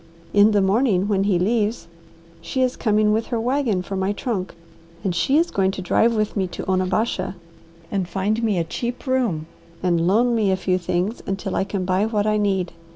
In the morning, when he leaves, she is coming with her wagon for my trunk, and she is going to drive with me to Onabasha and find me a cheap room and loan me a few things, until I can buy what I need.